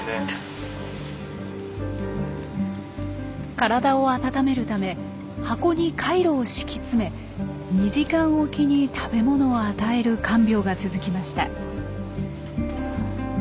体を温めるため箱にカイロを敷き詰め２時間おきに食べ物を与える看病が続きました。